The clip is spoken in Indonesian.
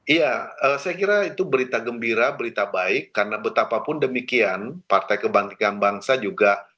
iya saya kira itu berita gembira berita baik karena betapapun demikian partai kebangkitan bangsa juga